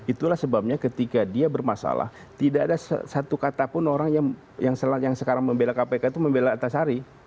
itulah sebabnya ketika dia bermasalah tidak ada satu kata pun orang yang sekarang membela kpk itu membela antasari